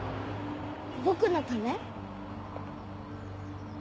僕のため？